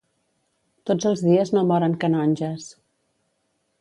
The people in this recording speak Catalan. Tots els dies no moren canonges.